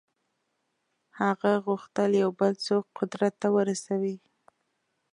هغه غوښتل یو بل څوک قدرت ته ورسوي.